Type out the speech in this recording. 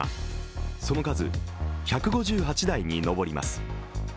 その数１５８台に上ります。